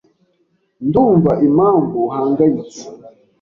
Ndumva impamvu uhangayitse.